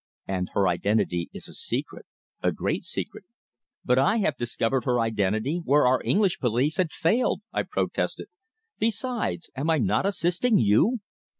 And her identity is a secret a great secret." "But I have discovered her identity where our English police had failed!" I protested. "Besides, am I not assisting you?"